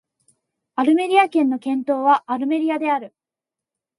アルメリア県の県都はアルメリアである